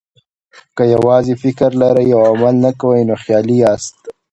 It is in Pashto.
که یوازې فکر لرئ او عمل نه کوئ، نو خیالي یاست.